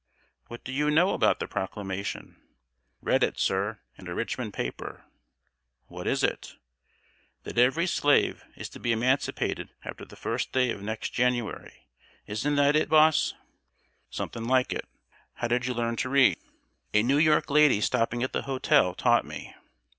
"What do you know about the Proclamation?" "Read it, sir, in a Richmond paper." "What is it?" "That every slave is to be emancipated after the first day of next January. Isn't that it, boss?" "Something like it. How did you learn to read?" "A New York lady stopping at the hotel taught me."